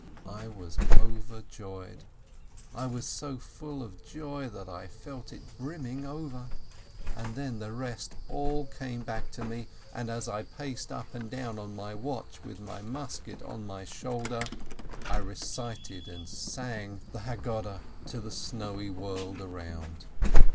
I was overjoyed ! I was so full of joy that I felt it brimming over. And then the rest all came back to me, and as I paced up and down on my watch, with my musket on my shoulder, I recited and sang the Haggadah to the snowy world around.